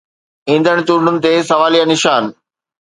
ايندڙ چونڊن تي سواليه نشان.